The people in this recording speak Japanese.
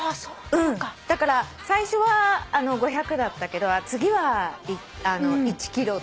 だから最初は５００だったけど次は１ｋｇとか。